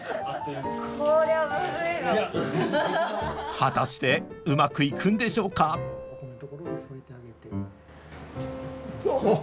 果たしてうまくいくんでしょうかあっ